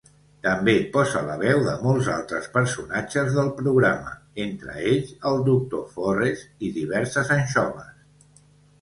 També posa la veu de molts altres personatges del programa, entre ells el doctor Forrest i diverses anxoves.